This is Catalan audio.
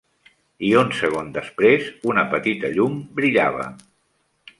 I, un segon després, una petita llum brillava.